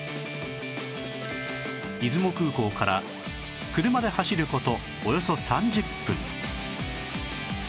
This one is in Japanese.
出雲空港から車で走る事およそ３０分